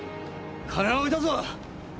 金は置いたぞ！